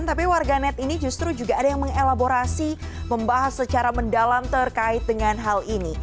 tapi warga net ini justru juga ada yang mengelaborasi membahas secara mendalam terkait dengan hal ini